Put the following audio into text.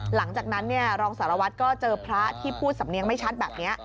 หลังจากนั้นรองสารวัตรก็เจอพระที่พูดสำเนียงไม่ชัดแบบนี้